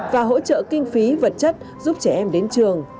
và hỗ trợ kinh phí vật chất giúp trẻ em đến trường